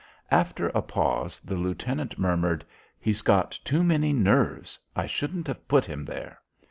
After a pause the lieutenant murmured: "He's got too many nerves. I shouldn't have put him there."